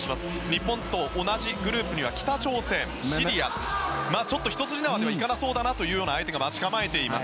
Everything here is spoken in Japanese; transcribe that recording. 日本と同じグループには北朝鮮、シリアと一筋縄ではいかないような相手が待ち構えています。